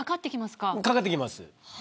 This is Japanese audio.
かかってきます。